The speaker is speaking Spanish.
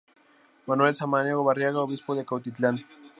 Manuel Samaniego Barriga, obispo de Cuautitlán.